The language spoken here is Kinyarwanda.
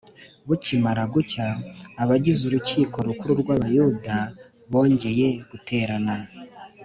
bukimara gucya, abagize urukiko rukuru rw’abayuda bongeye guterana,